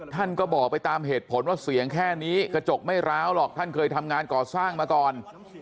ท่านก็บอกไปตามเหตุผลว่าเสียงแค่นี้กระจกไม่ร้าวหรอกท่านเคยทำงานก่อสร้างมาก่อน